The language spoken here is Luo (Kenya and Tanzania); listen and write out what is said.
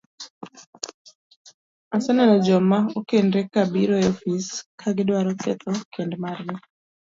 Aseneno joma okendore ka biro e ofis ka gidwaro ketho kend margi,